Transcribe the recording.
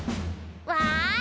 わい！